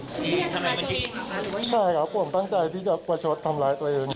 นี่ทำอะไรมาจริงใช่ครับผมตั้งใจที่จะเปราะชดทำร้ายตลอดอื่น